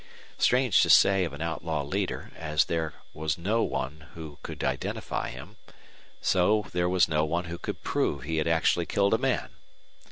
Strange to say of an outlaw leader, as there was no one who could identify him, so there was no one who could prove he had actually killed a man.